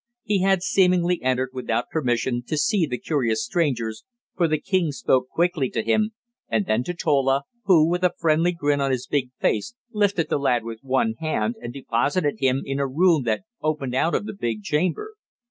He had seemingly entered without permission, to see the curious strangers, for the king spoke quickly to him, and then to Tola, who with a friendly grin on his big face lifted the lad with one hand and deposited him in a room that opened out of the big chamber.